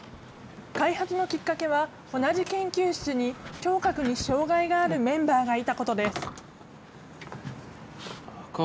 開発のきっかけは、同じ研究室に聴覚に障害があるメンバーがいたことです。